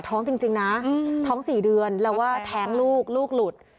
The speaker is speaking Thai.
ท้องจริงนะท้อง๔เดือนแล้วว่าแท้งลูกลูกหลุด